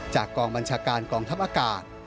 กองบัญชาการกองทัพอากาศ